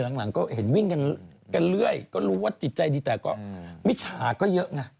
หลังก็เห็นวิ่งกันเรื่อยก็รู้ว่าจิตใจดีแต่ก็มิจฉาก็เยอะไง